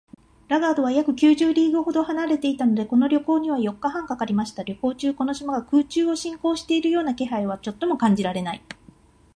ラガードは約九十リーグほど離れていたので、この旅行には四日半かかりました。旅行中、この島が空中を進行しているような気配はちょっとも感じられない